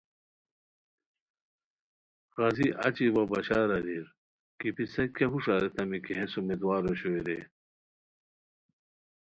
قاضی اچی وا بشار اریر کی پِسہ کیہ ہوݰ اریتامی کی ہیس امیدوار اوشوئے رے؟